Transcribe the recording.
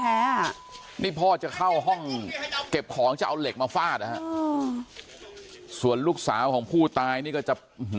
แค้นเหล็กเอาไว้บอกว่ากะจะฟาดลูกชายให้ตายเลยนะ